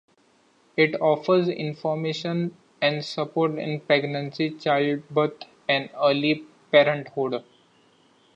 It offers information and support in pregnancy, childbirth and early parenthood.